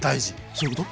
そういうこと？